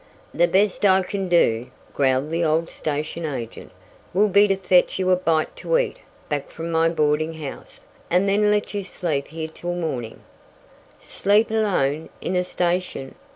"The best I kin do," growled the old station agent, "will be to fetch you a bite to eat back from my boardin' house; and then let you sleep here till mornin' " "Sleep alone in a station!"